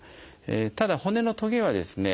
ただ骨のトゲはですね